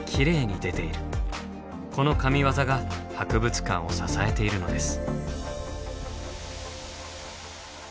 この神業が博物館を支えているのです。